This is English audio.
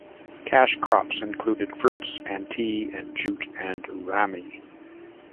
Cash crops included fruits and tea and jute and ramie.